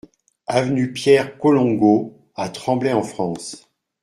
Avenue Pierre Colongo à Tremblay-en-France